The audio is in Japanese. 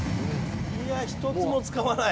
１つも使わない。